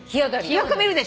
よく見るでしょ。